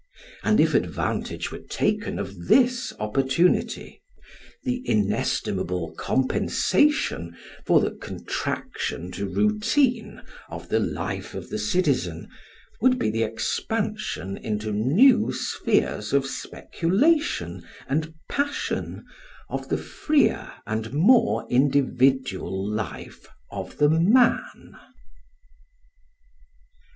And if advantage were taken of this opportunity, the inestimable compensation for the contraction to routine of the life of the citizen would be the expansion into new spheres of speculation and passion of the freer and more individual life of the man.